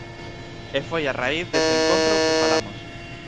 E foi a raíz dese encontro que falamos.